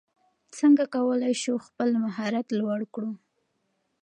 څنګه کولای سو خپل مهارت لوړ کړو؟